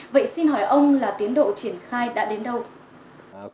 vậy xin hỏi ông là tiến độ triển khai đã đến đâu